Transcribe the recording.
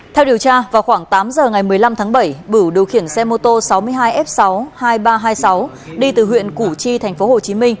theo điều tra vào khoảng tám giờ ngày một mươi năm tháng bảy bửu điều khiển xe mô tô sáu mươi hai f sáu mươi hai nghìn ba trăm hai mươi sáu đi từ huyện củ chi tp hcm